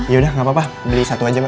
ya udah gapapa beli satu aja mbak